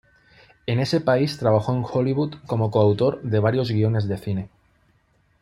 En ese país trabajó en Hollywood como co-autor de varios guiones de cine.